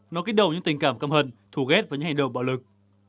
nó kích động những tình cảm căm hận thù ghét và những hành động bạo lực